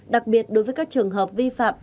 đặc biệt đối với các trường hợp vi phạm